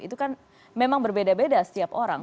itu kan memang berbeda beda setiap orang